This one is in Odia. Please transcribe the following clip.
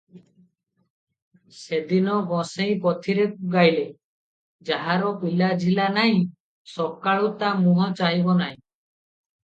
ସେ ଦିନ ଗୋସେଇଁ ପୋଥିରେ ଗାଇଲେ - "ଯାହାର ପିଲାଝିଲା ନାହିଁ, ସକାଳୁ ତା ମୁହଁ ଚାହିଁବ ନାହିଁ ।